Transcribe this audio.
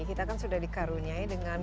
kita kan sudah dikaruniai dengan